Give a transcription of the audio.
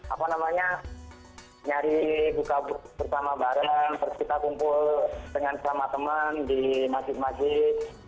apa namanya nyari buka bersama bareng terus kita kumpul dengan sama teman di masjid masjid